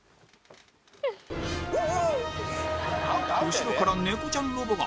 後ろから猫ちゃんロボが